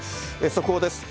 速報です。